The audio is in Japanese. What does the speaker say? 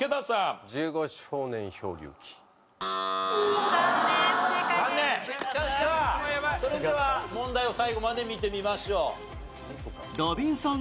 さあそれでは問題を最後まで見てみましょう。